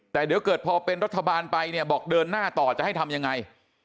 แต่หรือเกิดพอเป็นรัฐบาลไปบอกเดินหน้าต่อจะให้ทำอย่างไง